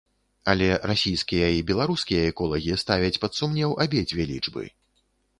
Але расійскія і беларускія эколагі ставяць пад сумнеў абедзве лічбы.